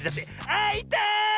あいたい！